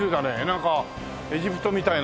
なんかエジプトみたいな。